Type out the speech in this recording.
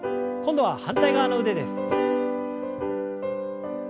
今度は反対側の腕です。